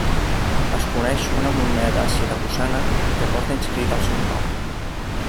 Es coneix una moneda siracusana que porta inscrit el seu nom.